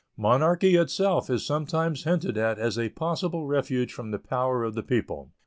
Monarchy itself is sometimes hinted at as a possible refuge from the power of the people.